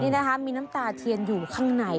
นี่นะคะมีน้ำตาเทียนอยู่ข้างใน